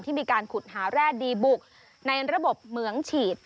มีการขุดหาแร่ดีบุกในระบบเหมืองฉีด